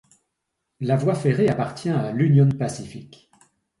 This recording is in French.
La voie ferrée appartient à l’Union Pacific.